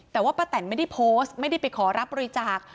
แต่ว่าป้าแตนไม่ได้โพสต์ไม่ได้ไปขอรับบริจาค